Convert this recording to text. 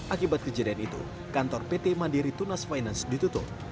akibat kejadian itu kantor pt mandiri tunas finance ditutup